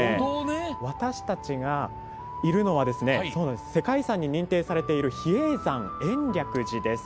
私たちがいるのは世界遺産認定されている比叡山延暦寺です。